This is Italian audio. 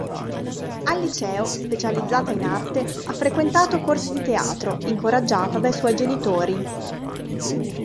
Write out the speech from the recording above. Al liceo, specializzata in arte, ha frequentato corsi di teatro, incoraggiata dai suoi genitori.